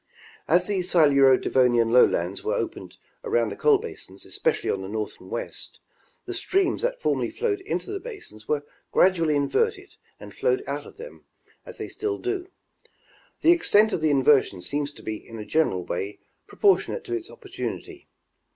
As the Siluro Devonian lowlands were opened around the coal basins, especially on the north and west, the streams that formerly flowed into the basins were gradually inverted and flowed out of them, as they still do. The extent of the inversion seems to be in a general way proportionate to its opportunity.